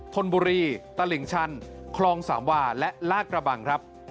ธนบุรีตลิ่งชันคลองสามวาและลาดกระบังครับ